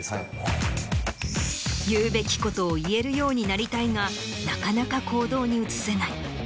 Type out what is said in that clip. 言うべきことを言えるようになりたいがなかなか行動に移せない。